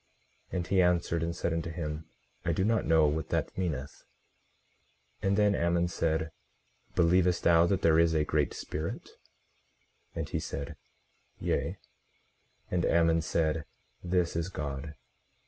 18:25 And he answered, and said unto him: I do not know what that meaneth. 18:26 And then Ammon said: Believest thou that there is a Great Spirit? 18:27 And he said, Yea. 18:28 And Ammon said: This is God.